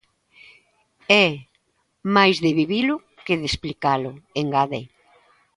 É máis de vivilo que de explicalo, engade.